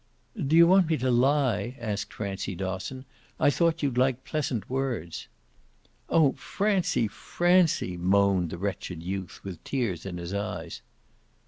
"Do you want me to lie?" asked Francie Dosson. "I thought you'd like pleasant words." "Oh Francie, Francie!" moaned the wretched youth with tears in his eyes.